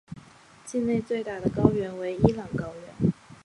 境内最大的高原为伊朗高原。